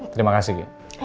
terima kasih kiki